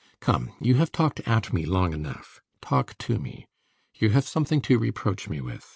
Come! you have talked at me long enough. Talk to me. You have something to reproach me with.